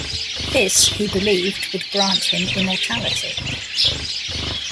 This, he believed would grant him immortality.